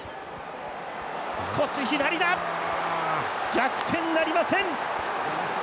逆転なりません！